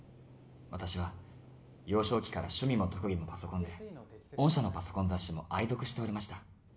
私は幼少期から趣味も特技もパソコンで御社のパソコン雑誌も愛読しておりました